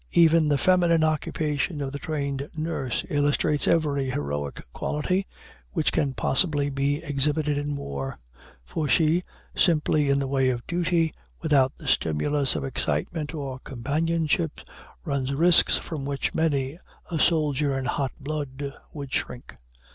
Even the feminine occupation of the trained nurse illustrates every heroic quality which can possibly be exhibited in war; for she, simply in the way of duty, without the stimulus of excitement or companionship, runs risks from which many a soldier in hot blood would shrink.